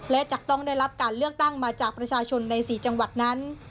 และจะต้องได้รับการเลือกตั้งมาจากประชาชนใน๔จังหวัดนั้น